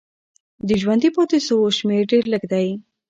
د ژوندي پاتې سویو شمېر ډېر لږ دی.